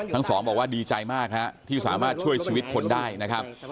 ทั้งสองบอกว่าดีใจมากฮะที่สามารถช่วยชีวิตคนได้นะครับ